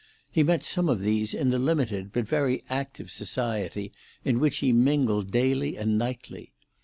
He met some of these in the limited but very active society in which he mingled daily and nightly.